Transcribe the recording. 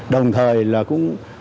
đồng thời là cũng